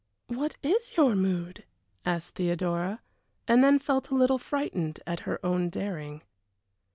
"What is your mood?" asked Theodora, and then felt a little frightened at her own daring.